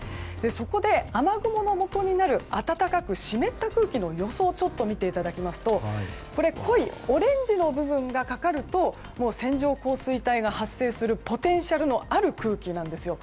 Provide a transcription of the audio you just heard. そこで雨雲のもとになる暖かく湿った空気の予想をちょっと見ていただきますと濃いオレンジの部分がかかると線状降水帯が発生するポテンシャルのある空気なんですよ。